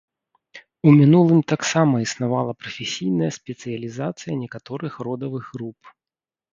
У мінулым таксама існавала прафесійная спецыялізацыя некаторых родавых груп.